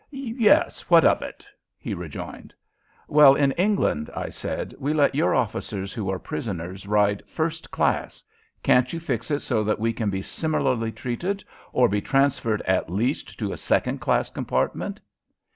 "Yes. What of it?" he rejoined. "Well, in England," I said, "we let your officers who are prisoners ride first class. Can't you fix it so that we can be similarly treated, or be transferred at least to a second class compartment?"